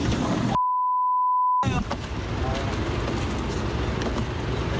ชื่อรายวัน